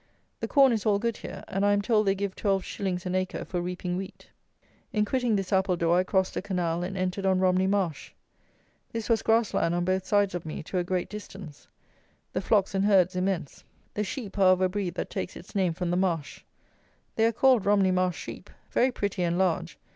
The corn is all good here; and I am told they give twelve shillings an acre for reaping wheat. In quitting this Appledore I crossed a canal and entered on Romney Marsh. This was grass land on both sides of me to a great distance. The flocks and herds immense. The sheep are of a breed that takes its name from the marsh. They are called Romney Marsh sheep. Very pretty and large.